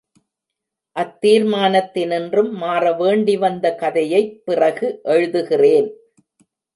அத் தீர்மானத்தினின்றும் மாற வேண்டி வந்த கதையைப் பிறகு எழுதுகிறேன்.